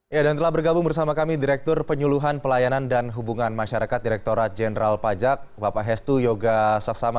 ya dan telah bergabung bersama kami direktur penyuluhan pelayanan dan hubungan masyarakat direkturat jenderal pajak bapak hestu yoga saksama